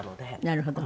なるほど。